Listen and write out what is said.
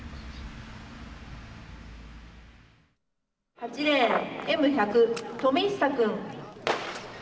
８レーンＭ１００冨久君。